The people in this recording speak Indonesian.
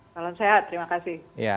salam sehat terima kasih